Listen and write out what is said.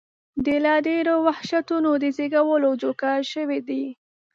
د لا ډېرو وحشتونو د زېږولو جوګه شوي دي.